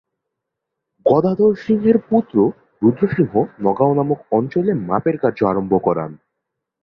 গদাধর সিংহের পুত্র রুদ্র সিংহ নগাঁও নামক অঞ্চলে মাপের কার্য আরম্ভ করান।